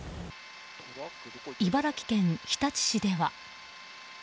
茨城県日立市では。